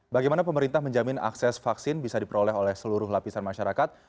bagaimana pemerintah menjamin akses vaksin bisa diperoleh oleh seluruh lapisan masyarakat